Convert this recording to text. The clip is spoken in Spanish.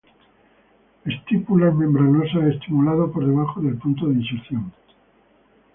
Estípulas membranosas, estimulado por debajo del punto de inserción.